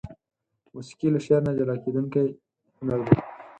موسيقي له شعر نه جلاکيدونکى هنر دى.